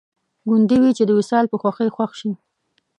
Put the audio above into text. ګوندې وي چې د وصال په خوښۍ خوښ شي